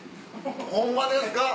ホンマですか！